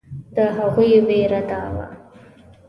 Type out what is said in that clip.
د هغوی وېره دا وه.